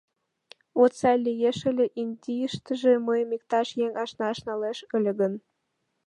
Вот, сай лиеш ыле, Индийыштыже мыйым иктаж еҥ ашнаш налеш ыле гын!